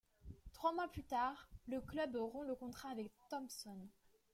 Trois mois plus tard, le club rompt le contrat avec Thompson.